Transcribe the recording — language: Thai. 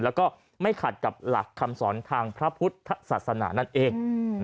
แล้วก็ไม่ขัดกับหลักคำสอนทางพระพุทธศาสนานั่นเอง